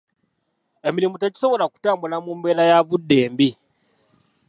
Emirimu tegisobola kutambula mu mbeera ya budde embi.